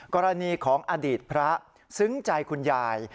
กรณีของอดีตพระซึ้งใจคุณยาย